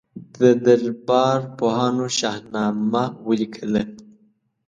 د دربار پوهانو شاهنامه ولیکله.